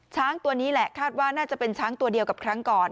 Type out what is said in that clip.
ช้างตัวนี้แหละคาดว่าน่าจะเป็นช้างตัวเดียวกับครั้งก่อน